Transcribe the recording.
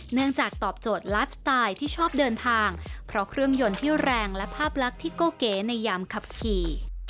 เนื่องจากตอบโจทย์ไลฟ์สไตล์ที่ชอบเดินทางเพราะเครื่องยนต์ที่แรงและภาพลักษณ์ที่โก้เก๋ในยามขับขี่